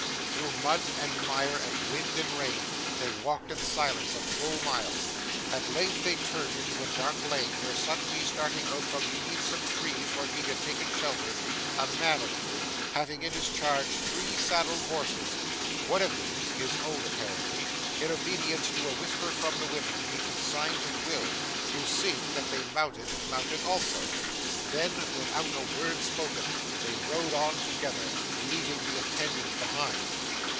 Through mud and mire, and wind and rain, they walked in silence a full mile. At length they turned into a dark lane, where, suddenly starting out from beneath some trees where he had taken shelter, a man appeared, having in his charge three saddled horses. One of these (his own apparently), in obedience to a whisper from the women, he consigned to Will, who, seeing that they mounted, mounted also. Then, without a word spoken, they rode on together, leaving the attendant behind.